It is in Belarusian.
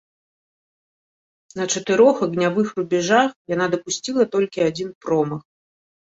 На чатырох агнявых рубяжах яна дапусціла толькі адзін промах.